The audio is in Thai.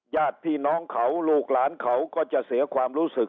ญาติพี่น้องเขาลูกหลานเขาก็จะเสียความรู้สึก